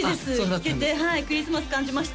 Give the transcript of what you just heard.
聴けてクリスマス感じました